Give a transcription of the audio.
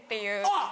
あっ！